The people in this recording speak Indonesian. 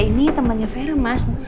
ini temannya vera mas